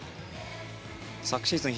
昨シーズン